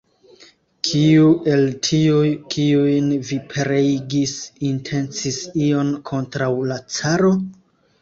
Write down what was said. Kiu el tiuj, kiujn vi pereigis, intencis ion kontraŭ la caro?